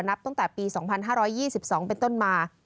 นับตั้งแต่ปี๒๕๒๒เป็นต้นมา